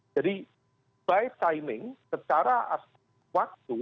jadi by timing secara waktu